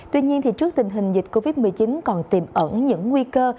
tuy nhiên trước tình hình dịch covid một mươi chín còn tiềm ẩn những nguy cơ